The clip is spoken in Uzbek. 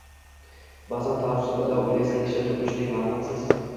Ba’zan taassuf ila o‘ylaysan kishi: turmushning ma’rifatsiz